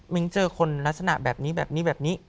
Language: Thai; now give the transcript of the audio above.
มิ้งเจอคนลักษณะแบบนี้แบบนี้แบบนี้